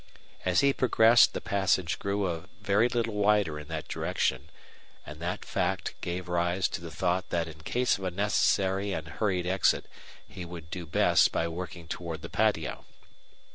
As he progressed the passage grew a very little wider in that direction, and that fact gave rise to the thought that in case of a necessary and hurried exit he would do best by working toward the patio.